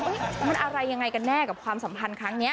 มันอะไรยังไงกันแน่กับความสัมพันธ์ครั้งนี้